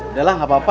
udah lah gak apa apa